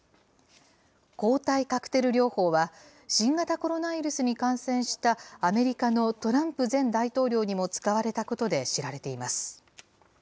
抗体カクテル療法は、新型コロナウイルスに感染した、アメリカのトランプ前大統領にも使われたことで知られています。